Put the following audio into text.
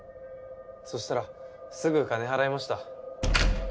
そしたらすぐ金払いました。